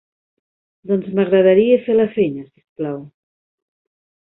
Doncs m'agradaria fer la feina, si us plau.